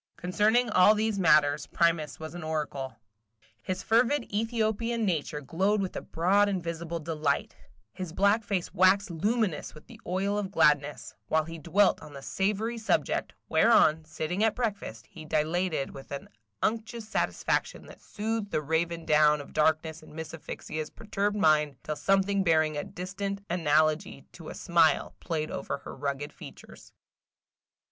Concerning all these matters, Primus was an oracle. His fervid Ethiopian nature glowed with a broad and visible delight, his black face waxed luminous with the oil of gladness, while he dwelt on the savory subject, whereon, sitting at breakfast, he dilated with an unctuous satisfaction that soothed the raven down of darkness in Miss Asphyxia's perturbed mind, till something bearing a distant analogy to a smile played over her rugged features.